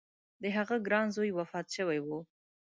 د هغه ګران زوی وفات شوی و.